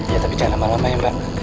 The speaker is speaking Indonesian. ya tapi jangan lama lama ya mbak